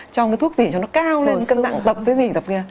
cho cái thuốc gì cho nó cao lên cân nặng tập cái gì tập kia